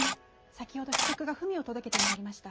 先ほど飛脚が文を届けてまいりました。